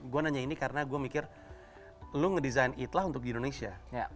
gue nanya ini karena gue mikir lo ngedesign eat lah untuk di indonesia